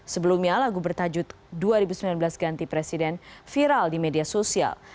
sebelumnya lagu bertajuk dua ribu sembilan belas ganti presiden viral di media sosial